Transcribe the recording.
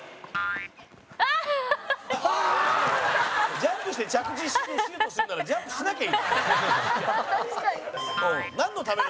ジャンプして着地してシュートするならジャンプしなきゃいいのに。